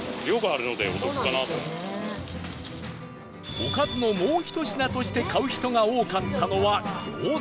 おかずのもうひと品として買う人が多かったのは餃子